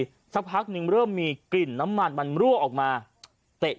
สักพักหนึ่งเริ่มมีกลิ่นน้ำมันมันรั่วออกมาเตะ